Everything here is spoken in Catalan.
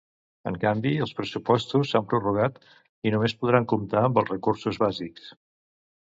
En canvi, els pressupostos s'han prorrogat i només podran comptar amb els recursos bàsics.